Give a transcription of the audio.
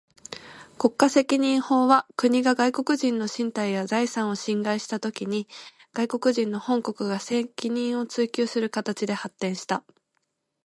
国家責任法は、国が外国人の身体や財産を侵害したときに、外国人の本国が責任を追求する形で発展した。